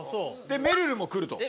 でめるるも来ると。